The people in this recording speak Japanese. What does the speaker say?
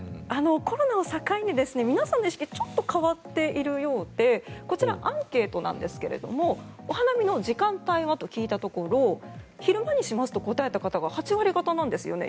コロナを境に皆さんの意識がちょっと変わっているようでこちら、アンケートなんですがお花見の時間帯は？と聞いたところ昼間にしますと答えた方が８割方なんですね。